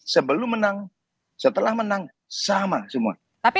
sebelum menang setelah menang sama semua